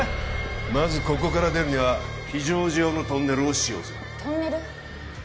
まずここから出るには非常時用のトンネルを使用するトンネル？